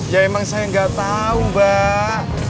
ya emang saya gak tau mbak